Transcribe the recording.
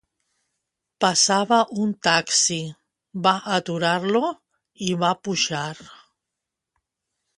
Passava un taxi, va aturar-lo, hi va pujar.